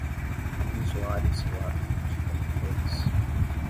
Usuários relatam lentidão e bugs